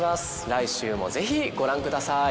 来週もぜひご覧ください。